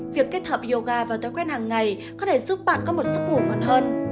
việc kết hợp yoga và thói quen hàng ngày có thể giúp bạn có một sức ngủ mận hơn